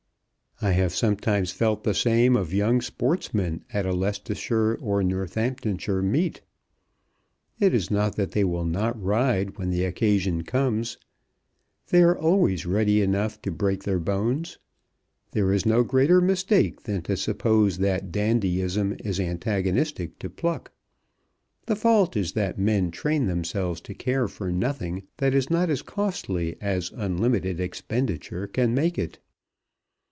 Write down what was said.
I have sometimes felt the same of young sportsmen at a Leicestershire or Northamptonshire meet. It is not that they will not ride when the occasion comes. They are always ready enough to break their bones. There is no greater mistake than to suppose that dandyism is antagonistic to pluck. The fault is that men train themselves to care for nothing that is not as costly as unlimited expenditure can make it.